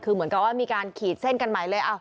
คือเหมือนกับว่ามีการขีดเส้นกันใหม่เลย